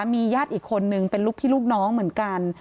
มีญาติอีกคนนึงเป็นลูกพี่ลูกน้องเหมือนกัน